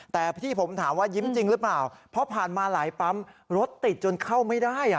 แต่ที่ผมถามว่ายิ้มจริงหรือเปล่าเพราะผ่านมาหลายปั๊มรถติดจนเข้าไม่ได้